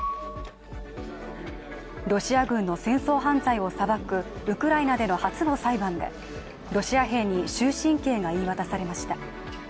ロシア軍の戦争犯罪を裁くウクライナでの初の裁判でロシア兵に終身刑が言い渡されました。